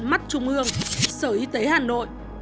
mắt trung ương sở y tế hà nội